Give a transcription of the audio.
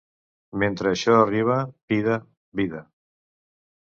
Mentre això arriba, vida, vida.